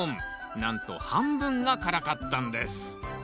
なんと半分が辛かったんです。